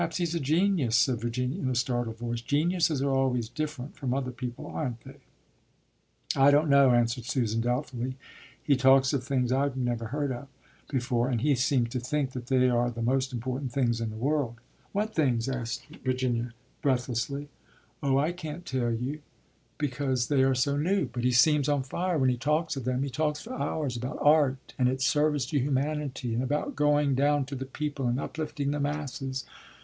"Perhaps he's a genius," said Virginia in a startled voice. "Geniuses are always different from other people, aren't they?" "I don't know," answered Susan doubtfully. "He talks of things I never heard of before, and he seems to think that they are the most important things in the world." "What things?" asked Virginia breathlessly. "Oh, I can't tell you because they are so new, but he seems on fire when he talks of them. He talks for hours about art and its service to humanity and about going down to the people and uplifting the masses."